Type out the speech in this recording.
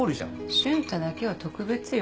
瞬太だけは特別よ。